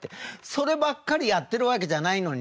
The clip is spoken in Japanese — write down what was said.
そればっかりやってるわけじゃないのにねえ。